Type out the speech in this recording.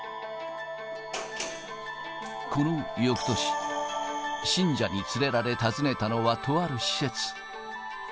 このよくとし、信者に連れられ訪ねたのはとある施設。